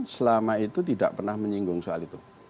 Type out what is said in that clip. selama itu tidak pernah menyinggung soal itu